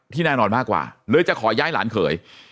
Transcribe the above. แน่นอนมากกว่าเลยจะขอย้ายหลานเขย